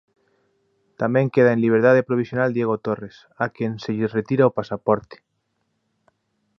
Tamén queda en liberdade provisional Diego Torres, a quen se lle retira o pasaporte.